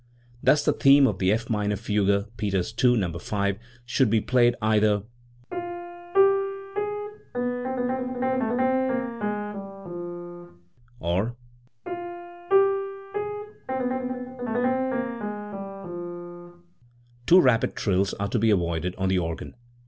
Thus the theme of the F minor fugue (Peters II, No. 5) should be played either: l Too rapid trills are to be avoided on the organ.